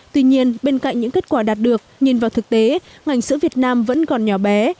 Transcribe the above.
tuy nhiên bên cạnh những kết quả đạt được nhìn vào thực tế ngành sữa việt nam vẫn còn nhỏ bé